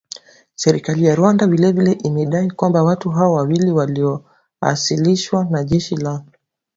Serikali ya Rwanda vile vile imedai kwamba watu hao wawili walioasilishwa na jeshi la